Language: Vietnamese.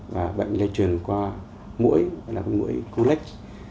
và bệnh lại truyền qua mũi gọi là mũi collect